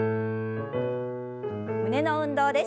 胸の運動です。